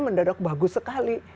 mendadak bagus sekali